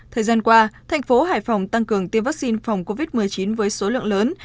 thời gian qua thành phố hải phòng tăng cường tiêm vaccine phòng covid một mươi chín với số lượng lớn